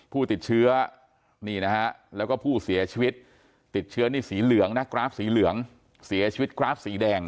ผู้ติดเชื้อนี่นะฮะแล้วก็ผู้เสียชีวิตติดเชื้อนี่สีเหลืองนะกราฟสีเหลืองเสียชีวิตกราฟสีแดง